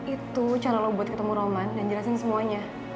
itu cara lo buat ketemu roman dan jelasin semuanya